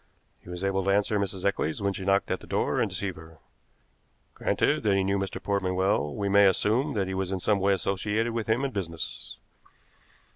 He was able to answer Mrs. Eccles when she knocked at the door and deceive her. Granted that he knew Mr. Portman well, we may assume that he was in some way associated with him in business.